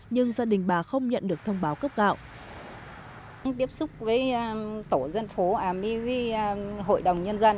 nhưng gia đình bà không nhận được thông báo cấp gạo